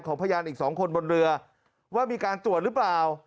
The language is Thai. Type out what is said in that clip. พยานอีก๒คนบนเรือว่ามีการตรวจหรือเปล่า